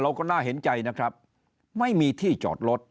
เราก็น่าเห็นใจนะครับไม่มีที่จอดรถ